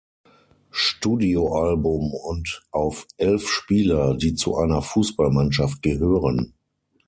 Studioalbum und auf elf Spieler, die zu einer Fußballmannschaft gehören.